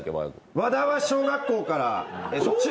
和田は小学校から。